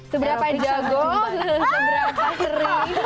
seberapa jago seberapa kering